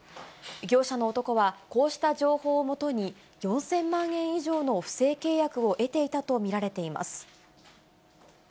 業者の男は、こうした情報を基に、４０００万円以上の不正契約を得ていたと見られています。